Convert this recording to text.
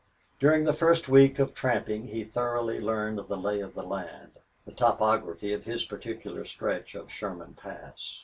During the first week of tramping he thoroughly learned the lay of the land, the topography of his particular stretch of Sherman Pass.